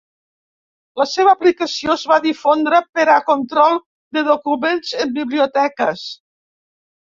La seva aplicació es va difondre per a control de documents en biblioteques.